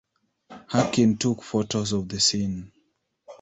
Harkin took photos of the scene.